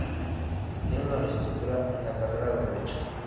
Tiene una Licenciatura en la carrera de Derecho.